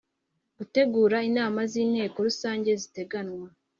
gutegura inama z inteko rusange ziteganwa